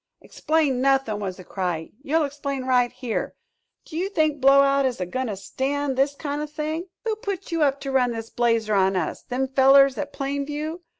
"Explain nothin'!" was the cry; "you'll explain right here! Do you think Blowout is a goin' to stand this kind o' thing?" "Who put you up to run this blazer on us? Them fellers at Plain View?